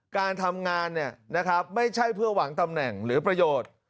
การทำงานไม่ใช่เพื่อหวังตำแหน่งหรือประโยชน์